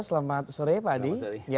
selamat sore pak adi